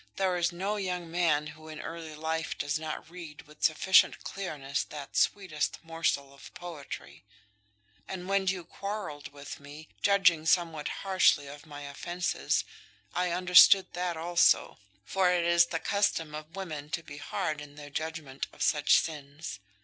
There is no young man who in early life does not read with sufficient clearness that sweetest morsel of poetry. And when you quarrelled with me, judging somewhat harshly of my offences, I understood that also; for it is the custom of women to be hard in their judgement on such sins.